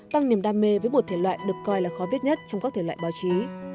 tăng niềm đam mê với một thể loại được coi là khó viết nhất trong các thể loại báo chí